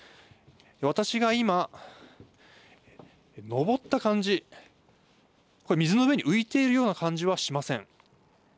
私が今上った感じ水の上に浮いているような感じはしません。